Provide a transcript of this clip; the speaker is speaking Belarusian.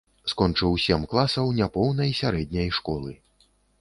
Скончыў сем класаў няпоўнай сярэдняй школы.